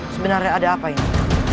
sebenarnya ada apa ini